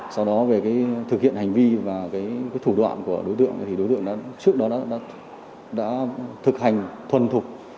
sau đó về thực hiện hành vi và thủ đoạn của đối tượng thì đối tượng trước đó đã thực hành thuần thục